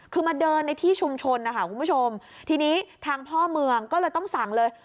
คือมาเดินในที่ชุมชนนะคะคุณผู้ชมทีนี้ทางพ่อเมืองก็เลยต้องสั่งเลย